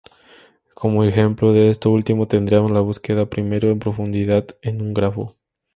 Como ejemplo de esto último tendríamos la búsqueda primero en profundidad en un grafo.